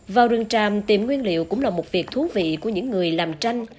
vào rừng tràm tìm nguyên liệu cũng là một việc thú vị của những người làm tranh